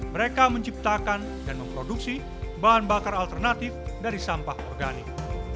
mereka menciptakan dan memproduksi bahan bakar alternatif dari sampah organik